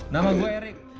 nama gue erik